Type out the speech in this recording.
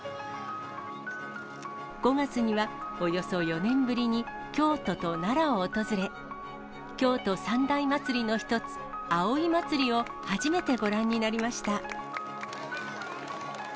５月には、およそ４年ぶりに、京都と奈良を訪れ、京都三大祭りの一つ、葵祭を初めてご覧になりました。